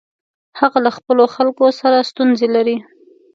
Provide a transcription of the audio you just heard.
هغه له خپلو خلکو سره ستونزې لري.